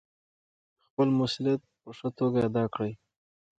خپل مسوولیت په ښه توګه ادا کړئ.